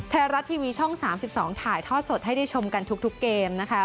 ไทยรัฐทีวีช่อง๓๒ถ่ายทอดสดให้ได้ชมกันทุกเกมนะคะ